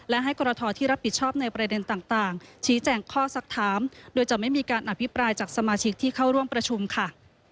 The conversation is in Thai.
และให้กรทที่รับผิดชอบในประเด็นต่างชี้แจงข้อสักถามโดยจะไม่มีการอภิปรายจากสมาชิกที่เข้าร่วมประชุมค่ะ